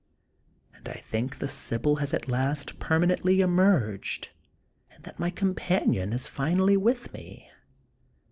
And I think. the sibyl has at last permanently emerged and that my companion is finally with me.